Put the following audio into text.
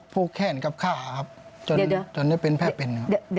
พูกแขนกับข้าจนได้แพร่เป็น